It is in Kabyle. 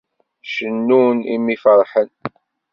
Cennun imi ferḥen.